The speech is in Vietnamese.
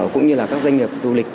cũng như là các doanh nghiệp du lịch